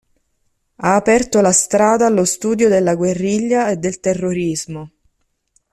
Ha aperto la strada allo studio della guerriglia e del terrorismo.